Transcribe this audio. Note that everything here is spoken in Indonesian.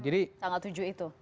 jadi tanggal tujuh itu